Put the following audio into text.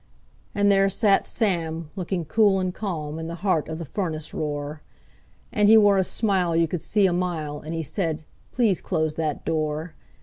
And there sat Sam, looking cool and calm, in the heart of the furnace roar; And he wore a smile you could see a mile, and he said: "Please close that door.